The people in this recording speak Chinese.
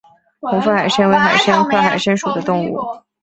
红腹海参为海参科海参属的动物。